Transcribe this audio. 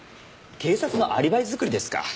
警察のアリバイ作りですか。